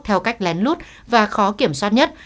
theo cách lén lút và khó kiểm soát nhất